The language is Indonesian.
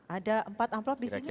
ada empat amplop disini